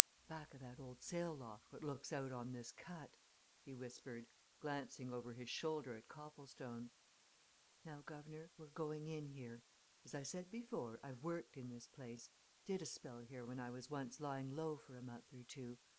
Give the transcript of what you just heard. "Back o' that old sail loft what looks out on this cut," he whispered, glancing over his shoulder at Copplestone. "Now, guv'nor, we're going in here. As I said before, I've worked in this place did a spell here when I was once lying low for a month or two.